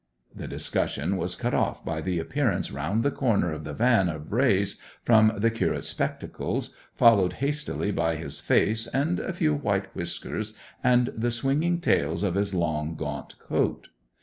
The discussion was cut off by the appearance round the corner of the van of rays from the curate's spectacles, followed hastily by his face and a few white whiskers, and the swinging tails of his long gaunt coat.